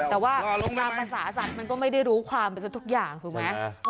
แต่ว่าภาพศาสตร์มันก็ไม่ได้รู้ความเป็นสักทุกอย่างถูกไหม